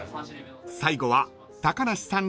［最後は高梨さん